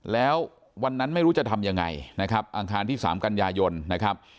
แล้ววันนั้นไม่รู้จะทำยังไงนะครับอังคารที่๓กันยายนนะครับ